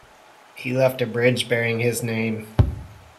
He left a bridge bearing his name.